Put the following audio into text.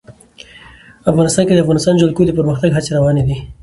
افغانستان کې د د افغانستان جلکو د پرمختګ هڅې روانې دي.